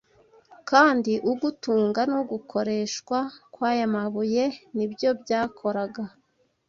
kandi ugutunga n’ugukoreshwa kw’aya mabuye nibyo byakoraga